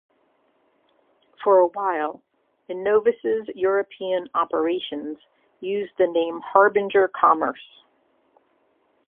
For a while, Inovis' European operations used the name Harbinger Commerce.